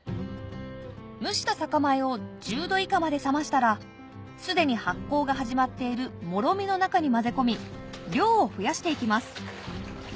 蒸した酒米を１０度以下まで冷ましたらすでに発酵が始まっている醪の中に混ぜ込み量を増やしていきます